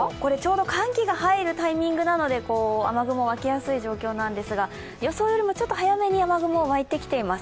寒気が入るタイミングなので雨雲が湧きやすい状況なんですが、予想よりも雨雲わいてきています。